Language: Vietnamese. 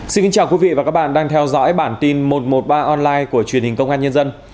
xin kính chào quý vị và các bạn đang theo dõi bản tin một trăm một mươi ba online của truyền hình công an nhân dân